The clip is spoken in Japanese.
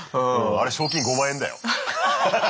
あれ賞金５万円だよ。